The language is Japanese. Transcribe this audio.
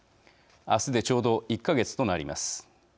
ちょうど１か月となります。